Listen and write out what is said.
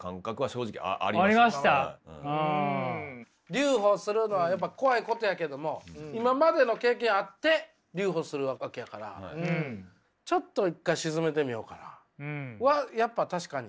留保するのは怖いことやけども今までの経験あって留保するわけやからちょっと一回沈めてみようかなはやっぱ確かに必要なことかもしれん。